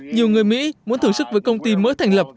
nhiều người mỹ muốn thưởng sức với công ty mới thành lập